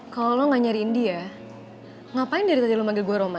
kalau lo gak nyariin dia ngapain dari tadi lo manggil gue roman